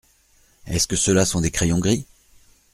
Est-ce que ceux-là sont des crayons gris ?